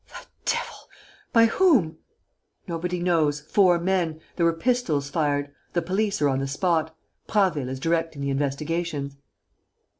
"The devil! By whom?" "Nobody knows ... four men ... there were pistols fired.... The police are on the spot. Prasville is directing the investigations."